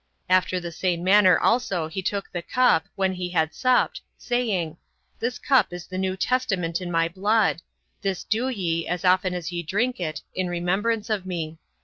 After the same manner also he took the cup, when he had supped, saying: this cup is the new testament in my blood; this do ye, as often as ye drink it, in remembrance of me.